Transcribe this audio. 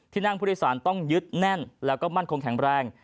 นั่งผู้โดยสารต้องยึดแน่นแล้วก็มั่นคงแข็งแรง